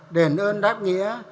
đền ơn đáp nghĩa